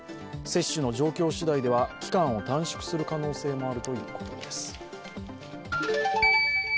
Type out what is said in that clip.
接種の状況次第では期間を短縮する可能性もあるということです。